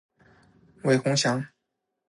韦宏翔